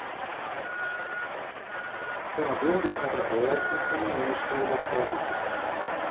Senador deu contragolpe em ministro homofóbico